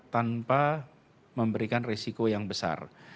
tanpa memberikan risiko yang besar